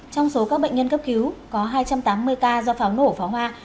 trong số các bệnh nhân cấp cứu có hai trăm tám mươi ca do pháo nổ pháo hoa